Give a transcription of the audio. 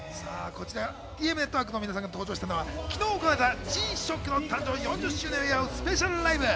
ＴＭＮＥＴＷＯＲＫの皆さんが登場したのは、昨日行われたＧ−ＳＨＯＣＫの誕生４０周年を祝うスペシャルライブ。